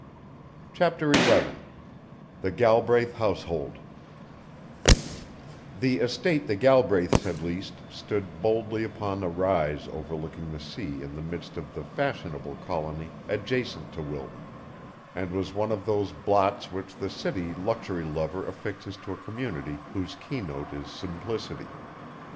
CHAPTER XI THE GALBRAITH HOUSEHOLD The estate the Galbraiths had leased stood baldly upon a rise overlooking the sea in the midst of the fashionable colony adjacent to Wilton, and was one of those blots which the city luxury lover affixes to a community whose keynote is simplicity.